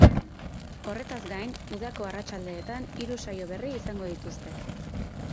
Horretaz gain, udako arratsaldeetan hiru saio berri izango dituzte.